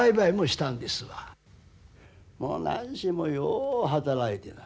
もう何しろよう働いてだ